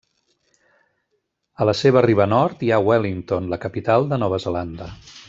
A la seva riba nord hi ha Wellington, la capital de Nova Zelanda.